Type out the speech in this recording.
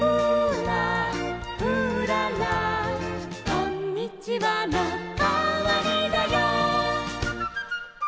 「こんにちはのかわりだよ」